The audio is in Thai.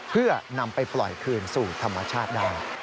เพื่อนำไปปล่อยคืนสู่ธรรมชาติได้